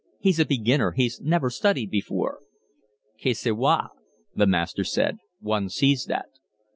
"He's a beginner. He's never studied before." "Ca se voit," the master said. "One sees that."